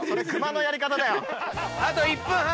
あと１分半。